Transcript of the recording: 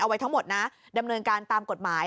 ไว้ทั้งหมดนะดำเนินการตามกฎหมาย